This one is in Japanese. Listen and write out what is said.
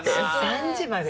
３時まで？